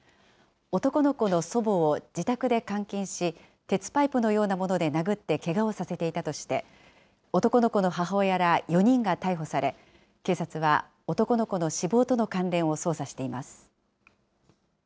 男の子の祖母を自宅で監禁し、鉄パイプのようなもので殴ってけがをさせていたとして、男の子の母親ら４人が逮捕され、警察は男の子の死亡との関連を捜査しています。